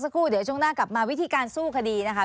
คุณช่องหน้ากลับมาวิธีการสู้คดีนะคะ